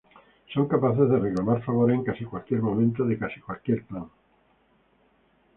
Son capaces de reclamar favores en casi cualquier momento de casi cualquier clan.